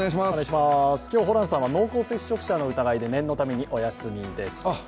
今日、ホランさんは濃厚接触者の疑いで念のためにお休みです。